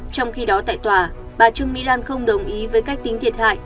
trong khi đó tại tòa bà trương mỹ lan không đồng ý với cách tính thiệt hại